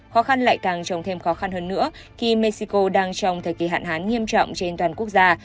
khó khăn lại càng trồng thêm khó khăn hơn nữa khi mexico đang trong thời kỳ hạn hán nghiêm trọng trên toàn quốc gia